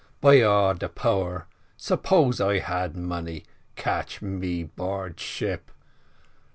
By all power! suppose I had money, catch me board ship.